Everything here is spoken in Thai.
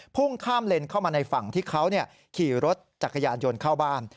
พุ่งข้ามเลนเข้ามาในฝั่งที่เขาขี่รถจักรยานยนต์เข้าบ้าน